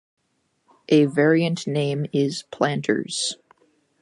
A variant name is "Planters".